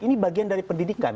ini bagian dari pendidikan